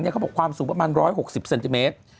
เขาบอกความสูงประมาณ๑๖๐เซนติเมตร